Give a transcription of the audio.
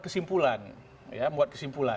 karena mereka harus mencari negara yang berkeadilan